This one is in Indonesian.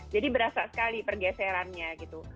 jadi berasa sekali pergeserannya gitu